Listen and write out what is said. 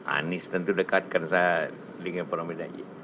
anies tentu dekatkan saya dengan pak ramidhani